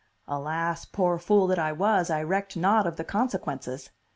Alas, poor fool that I was, I recked not of the consequences!